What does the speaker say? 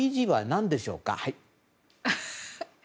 何でしょうか。